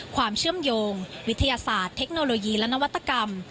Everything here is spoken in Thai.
ความเชื่อมโยงวิทยาศาสตร์เทคโนโลยีและนวัตกรรม